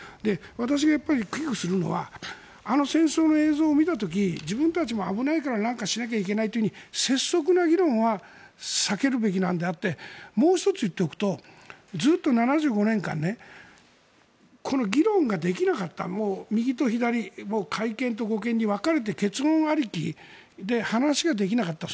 私が危惧するのはあの戦争の映像を見た時自分たちも危ないから何かをしなきゃいけないというような拙速な議論は避けるべきなのであってもう１つ言っておくとずっと７５年間この議論ができなかったのを右と左、改憲と護憲に分かれて結論ありきで話ができなかった。